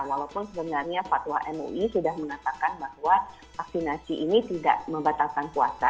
walaupun sebenarnya fatwa mui sudah mengatakan bahwa vaksinasi ini tidak membatalkan puasa